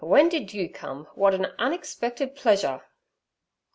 When did you come? What an unexpected pleasure!'